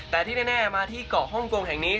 แต่ที่แน่มาที่เกาะฮ่องกงแห่งนี้